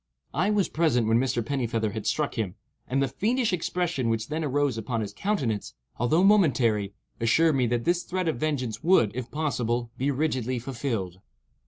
I was present when Mr. Pennifeather had struck him, and the fiendish expression which then arose upon his countenance, although momentary, assured me that his threat of vengeance would, if possible, be rigidly fulfilled.